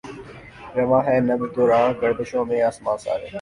رواں ہے نبض دوراں گردشوں میں آسماں سارے